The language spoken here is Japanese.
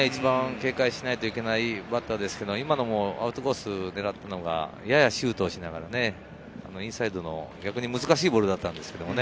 警戒しないといけないバッターですけど、今アウトコースを狙ったのがややシュートしながら、インサイドの逆に難しいボールだったんですけどね。